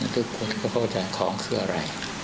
ทุกคนก็เข้าใจของคืออะไร